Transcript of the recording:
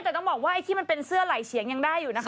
แต่ต้องบอกว่าไอ้ที่มันเป็นเสื้อไหลเฉียงยังได้อยู่นะคะ